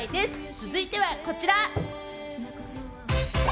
続いてはこちら。